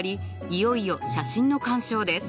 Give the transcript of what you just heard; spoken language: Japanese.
いよいよ写真の鑑賞です。